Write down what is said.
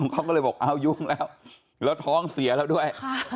เขาก็เลยบอกอ้าวยุ่งแล้วแล้วท้องเสียแล้วด้วย